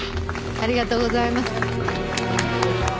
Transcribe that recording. ありがとうございます。